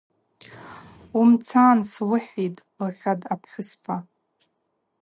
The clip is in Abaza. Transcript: Уымцан суыхӏвитӏ,— лхӏватӏ апхӏвыспа.